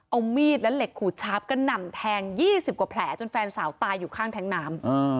เอามีดและเหล็กขูดชาร์ฟกระหน่ำแทง๒๐กว่าแผลจนแฟนสาวตายอยู่ข้างแท้งน้ำ